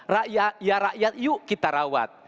rakyat ya rakyat yuk kita rawat